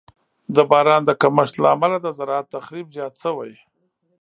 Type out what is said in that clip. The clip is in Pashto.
د باران د کمښت له امله د زراعت تخریب زیات شوی.